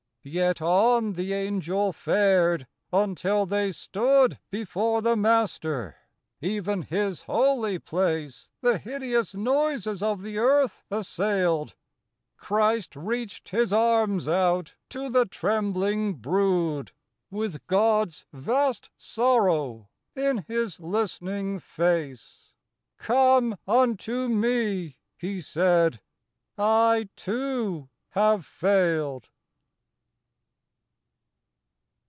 Yet on the Angel fared, until they stood Before the Master. (Even His holy place The hideous noises of the earth assailed.) Christ reached His arms out to the trembling brood, With God's vast sorrow in His listening face. Come unto Me,' He said; 'I, too, have failed.